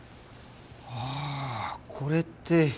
ああこれって。